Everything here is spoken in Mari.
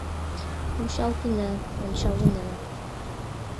Вучалтена, ончалына».